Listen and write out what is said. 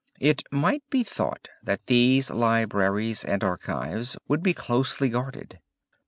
It might be thought that these libraries and archives would be closely guarded.